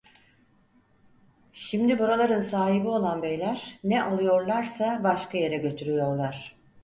Şimdi buraların sahibi olan beyler, ne alıyorlarsa başka yere götürüyorlar.